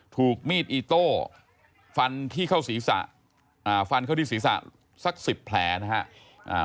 ถูกมีดอีโต้ฟันที่เข้าศีรษะสัก๑๐แผลนะครับ